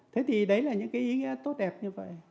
thế thì đấy là những cái ý nghĩa tốt đẹp như vậy